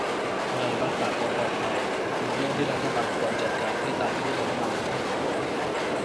งานรักษาความปลอดภัย เป็นเรื่องที่รัฐบาลควรจัดการให้ตามที่รัฐบาลห็นเหมาะสม